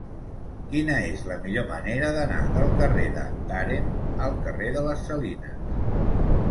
Quina és la millor manera d'anar del carrer de Tàrent al carrer de les Salines?